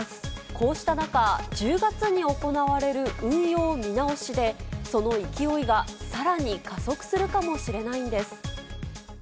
こうした中、１０月に行われる運用見直しで、その勢いがさらに加速するかもしれないんです。